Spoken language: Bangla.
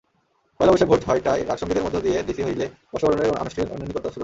পয়লা বৈশাখ ভোর ছয়টায় রাগসংগীতের মধ্য দিয়ে ডিসি হিলে বর্ষবরণের আনুষ্ঠানিকতা শুরু হয়।